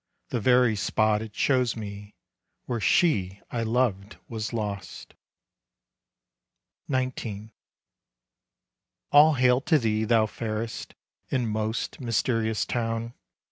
The very spot it shows me Where she I loved was lost. XIX. All hail to thee, thou fairest And most mysterious town!